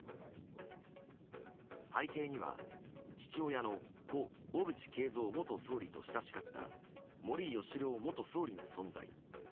背景には、父親の故・小渕恵三元総理と親しかった森喜朗元総理の存在。